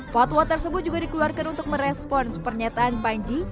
fatwa tersebut juga dikeluarkan untuk merespons pernyataan panji